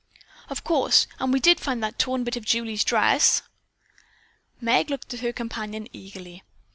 "Of course, and we did find that torn bit of Julie's dress." Meg looked at her companion eagerly.